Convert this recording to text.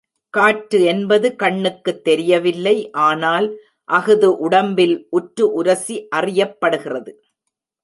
காற்று என்பது கண்ணுக்குத் தெரியவில்லை ஆனால் அஃது உடம்பில் உற்று உரசி அறியப்படுகிறது.